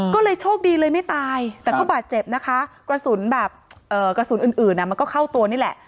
ก็เลยโชคดีเลยไม่ตายแต่ก็บาดเจ็บนะคะกระสุนแบบกระสุนอื่นมันก็เข้าตัวนี่แหละ